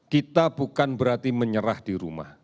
kita bukan berarti menyerah di rumah